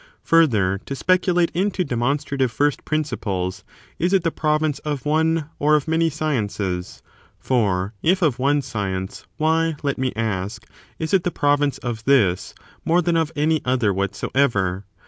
Further, to speculate into demonstrative first principles, is it the province of one or of many sciences ] for if of one science, why, let me ask, is it the province of this more than of any other whatsoever